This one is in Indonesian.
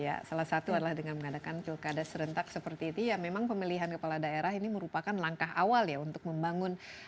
ya salah satu adalah dengan mengadakan pilkada serentak seperti itu ya memang pemilihan kepala daerah ini merupakan langkah awal ya untuk membangun